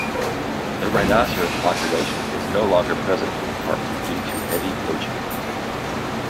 The rhinoceros population is no longer present in the park due to heavy poaching.